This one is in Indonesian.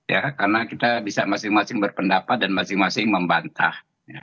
ya karena kita bisa masing masing berpendapat dan masing masing membantah